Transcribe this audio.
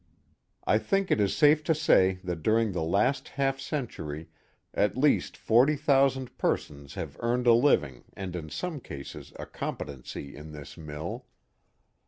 I think it is safe to say that during the last half century at least forty thousand persons have earned a living and in some cases a competency in this mill.